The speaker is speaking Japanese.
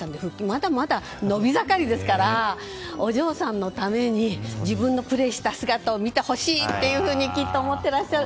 まだまだ伸び盛りですからお嬢さんのために自分のプレーした姿を見てほしいときっと思っていらっしゃる。